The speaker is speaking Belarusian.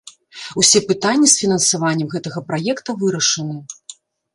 Усе пытанні з фінансаваннем гэтага праекта вырашаны.